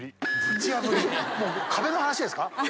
もう壁の話ですか？